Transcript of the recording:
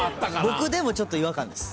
僕でもちょっと違和感です。